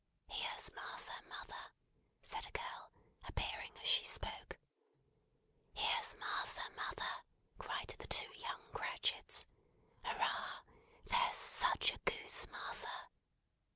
"Here's Martha, mother!" said a girl, appearing as she spoke. "Here's Martha, mother!" cried the two young Cratchits. "Hurrah! There's such a goose, Martha!"